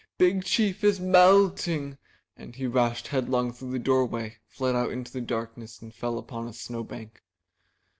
''Big Chief is melting T' And he rushed headlong through the doorway, fled out into the darkness, and fell upon a snowbank.